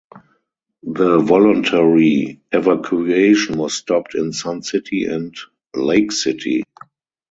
The voluntary evacuation was stopped in Sun City and Lake City.